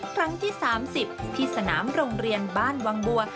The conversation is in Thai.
ครั้งที่๓๐ที่สนามโรงเรียนบ้านวังบัว